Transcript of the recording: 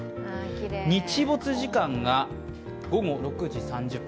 日没時間が午後６時３０分。